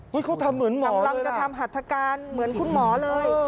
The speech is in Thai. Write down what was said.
เฮ้ยเขาทำเหมือนหมอเลยทำลำจะทำหัตถกรรมเหมือนคุณหมอเลย